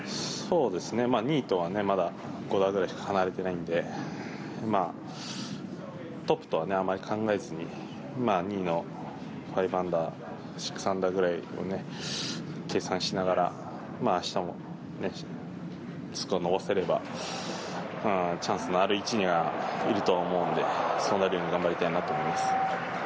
２位とは、まだ５打ぐらいしか離れていないのでトップとはあまり考えずに２位の５アンダー、６アンダーぐらいを計算しながら明日もスコアを伸ばせればチャンスのある位置にはいると思うのでそうなるように頑張りたいなと思います。